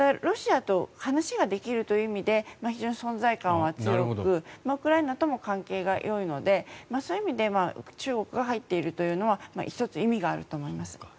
ロシアと話ができるという意味で非常に存在感は強くウクライナとも関係がよいので、そういう意味で中国が入ってるというのは１つ、意味があると思います。